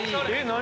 何？